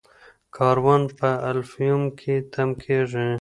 کاروان په الفیوم کې تم کیږي.